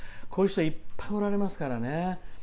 こういう人、いっぱいおられますから。